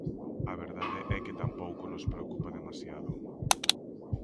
A verdade é que tampouco nos preocupa demasiado.